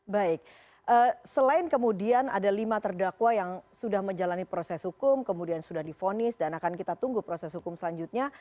baik selain kemudian ada lima terdakwa yang sudah menjalani proses hukum kemudian sudah difonis dan akan kita tunggu proses hukum selanjutnya